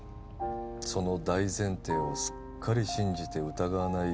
その大前提をすっかり信じて疑わない